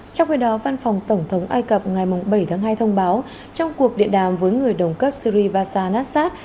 trong khi đó văn phòng tổng thống ai cập ngày bảy tháng hai thông báo trong cuộc điện đàm với người đồng cấp syri basa nassad